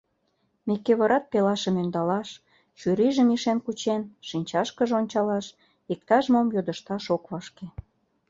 Микывырат пелашым ӧндалаш, чурийжым ишен кучен, шинчашкыже ончалаш, иктаж-мом йодышташ ок вашке.